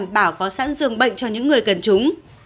bảo có sẵn dường bệnh cho những người cần chúng